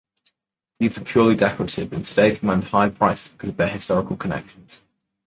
These were purely decorative and today command high prices because of their historical connections.